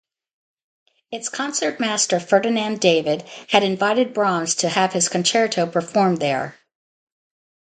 Its concertmaster, Ferdinand David, had invited Brahms to have his concerto performed there.